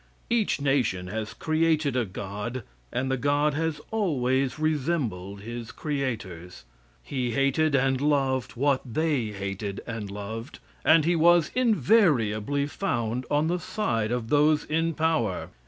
Each nation has created a god, and the god has always resembled his creators. He hated and loved what they hated and loved, and he was invariably found on the side of those in power.